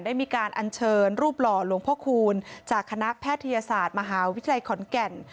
ได้มีการอัญเชิญรูปหล่อหลวงพ่อคูณจากคณะแพทยศาสตร์มหาวิทยาลัยขอนแก่น